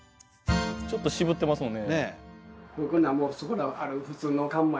ちょっと渋ってますもんね。